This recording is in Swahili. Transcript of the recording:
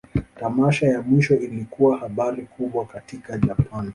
Tamasha ya mwisho ilikuwa habari kubwa katika Japan.